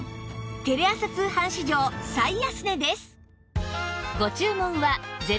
テレ朝通販史上最安値です